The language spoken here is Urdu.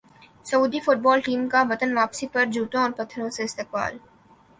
سعودی فٹبال ٹیم کا وطن واپسی پر جوتوں اور پتھروں سے استقبال